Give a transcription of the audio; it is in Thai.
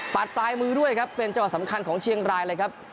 ปลายมือด้วยครับเป็นจังหวะสำคัญของเชียงรายเลยครับ